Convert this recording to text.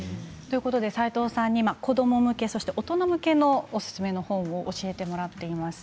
齋藤さんに子ども向け大人向けのおすすめの本を教えてもらっています。